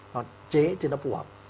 họ chế cho nó phù hợp